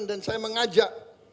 dan saya mengajak